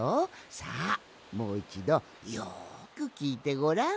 さあもういちどよくきいてごらん。